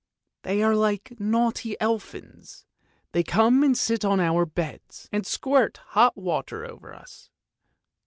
They are like naughty elfins; they come and sit on our beds and squirt hot water over us.